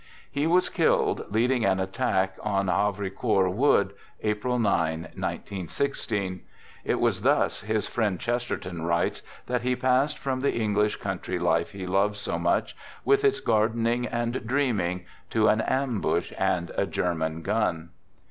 He was killed leading an attack on Havrincourt Wood, April 9, 1916. " It was thus," his friend Chester ton writes, " that he passed from the English coun try life he loved so much, with its gardening and dreaming, to an ambush and a German gun."